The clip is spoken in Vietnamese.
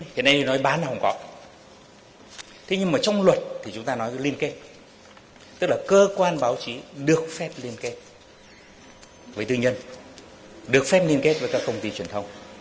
hiện nay nói bán là không có thế nhưng mà trong luật thì chúng ta nói liên kết tức là cơ quan báo chí được phép liên kết với tư nhân được phép liên kết với các công ty truyền thông